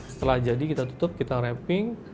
setelah jadi kita tutup kita rapping